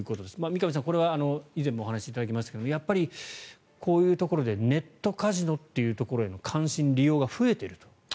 三上さん、これは以前もお話しいただきましたがやっぱりこういうところでネットカジノというところへの関心、利用が増えていると。